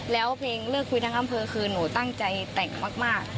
แล้วเพลงเลิกคุยทั้งอำเภอคือหนูตั้งใจแต่งมาก